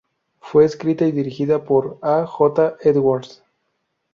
Fue escrita y dirigida por A. J. Edwards.